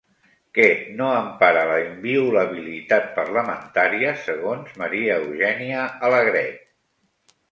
Què no empara la inviolabilitat parlamentària segons Maria Eugènia Alegret?